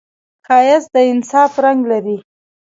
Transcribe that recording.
ښایست د انصاف رنګ لري